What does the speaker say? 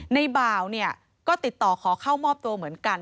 บ่าวเนี่ยก็ติดต่อขอเข้ามอบตัวเหมือนกัน